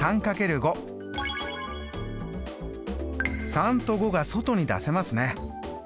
３と５が外に出せますね。